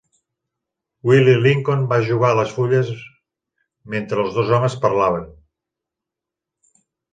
Willie Lincoln va jugar a les fulles mentre els dos homes parlaven.